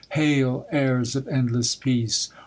Hail, heirs of endless peace